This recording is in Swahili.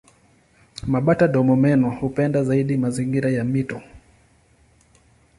Mabata-domomeno hupenda zaidi mazingira ya mito.